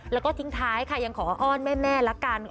แล้วก็ทิ้งท้ายค่ะยังขออ้อนแม่ละกัน